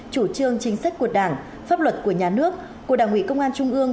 chủ trương chính sách của đảng pháp luật của nhà nước của đảng ủy công an trung ương